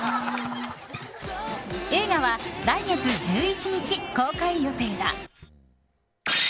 映画は来月１１日、公開予定だ。